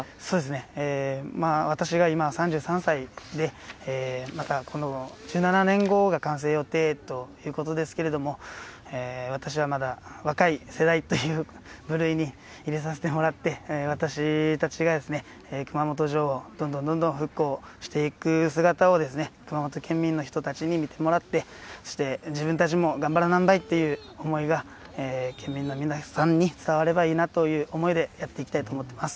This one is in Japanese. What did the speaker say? そうですね、私が今３３歳で、また、この１７年後が完成予定ということですけれども、私はまだ若い世代という部類に入れさせてもらって、私たちが熊本城をどんどんどんどん復興していく姿をですね、熊本県民の人たちに見てもらって、そして、自分たちも頑張らなんばい！っていう思いが県民の皆さんに伝わればいいなという思いでやっていきたいと思ってます。